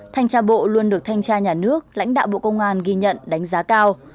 thanh tra bộ luôn được thanh tra nhà nước lãnh đạo bộ công an ghi nhận đánh giá cao